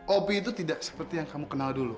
opi itu tidak seperti yang kamu kenal dulu